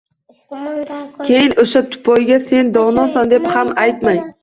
Keyin o‘sha tupoyga sen donosan deb ham aytmang.